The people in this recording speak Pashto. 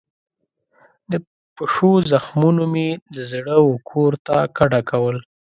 د پښو زخمونو مې د زړه وکور ته کډه کول